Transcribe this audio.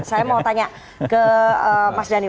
saya mau tanya ke mas dhani